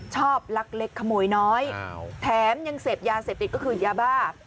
ลักเล็กขโมยน้อยแถมยังเสพยาเสพติดก็คือยาบ้า